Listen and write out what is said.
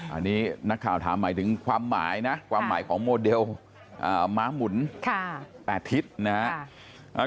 อันนี้นักข่าวถามหมายถึงความหมายนะความหมายของโมเดลม้าหมุน๘ทิศนะครับ